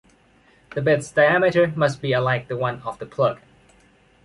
The bit’s diameter must be alike the one of the plug.